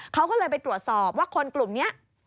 เขาก็เลยไปตรวจสอบว่าคนกลุ่มนี้